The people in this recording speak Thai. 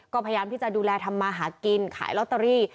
ก็พยายามที่จะดูแลทำมาหากินขายลอตเตอรี่